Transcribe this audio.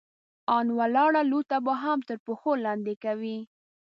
ان ولاړه لوټه به هم تر پښو لاندې کوئ!